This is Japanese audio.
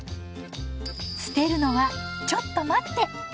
捨てるのはちょっと待って！